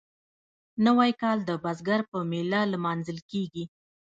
نوی کال د بزګر په میله لمانځل کیږي.